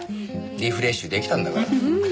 リフレッシュ出来たんだから。